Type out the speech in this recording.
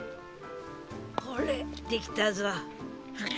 ほれできたぞ！